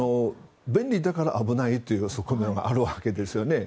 便利だから危ないという側面があるわけですよね。